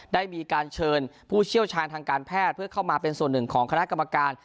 ได้มีการเชิญผู้เชี่ยวชาญทางการแพทย์เพื่อเข้ามาเป็นส่วนหนึ่งของคณะกรรมการ